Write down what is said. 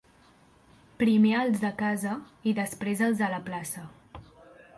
Primer els de casa, i després els de la plaça.